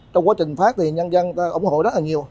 trong quá trình phát thì nhân dân ủng hộ rất là nhiều